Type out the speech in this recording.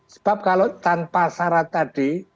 sebab kalau tanpa syarat tadi